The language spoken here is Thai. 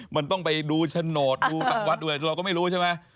มันต้องไปดูโฉนดดูทางวัดด้วยเราก็ไม่รู้ใช่ไหม